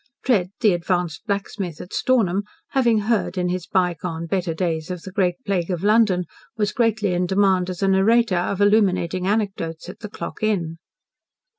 Tread, the advanced blacksmith at Stornham, having heard in his by gone, better days of the Great Plague of London, was greatly in demand as a narrator of illuminating anecdotes at The Clock Inn.